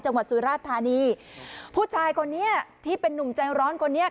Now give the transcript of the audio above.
สุราชธานีผู้ชายคนนี้ที่เป็นนุ่มใจร้อนคนนี้